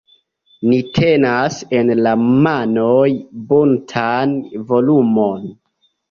Ni tenas en la manoj buntan volumon.